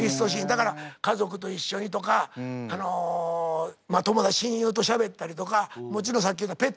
だから家族と一緒にとかあの友達親友としゃべったりとかもちろんさっきのペット犬